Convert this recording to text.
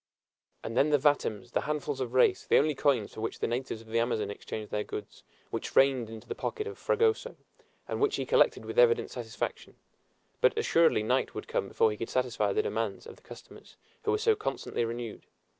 And then the vatems, the handfuls of reis the only coins for which the natives of the Amazon exchange their goods which rained into the pocket of Fragoso, and which he collected with evident satisfaction. But assuredly night would come before he could satisfy the demands of the customers, who were so constantly renewed.